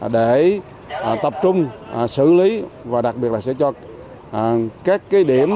để tập trung xử lý và đặc biệt là sẽ cho các điểm